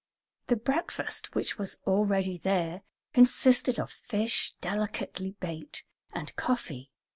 The breakfast, which was already there, consisted of fish, delicately baked, and coffee.